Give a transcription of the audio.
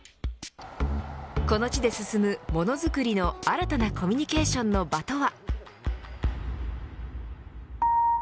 この地で進むものづくりの新たなコミュニケーションの場とは。